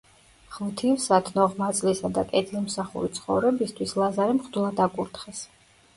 ღვთივსათნო ღვაწლისა და კეთილმსახური ცხოვრებისთვის ლაზარე მღვდლად აკურთხეს.